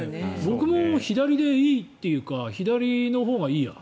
僕も左でいいというか左のほうがいいや。